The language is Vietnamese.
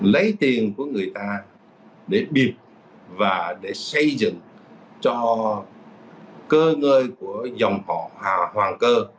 lấy tiền của người ta để biệt và để xây dựng cho cơ ngơi của dòng họ hoàng cơ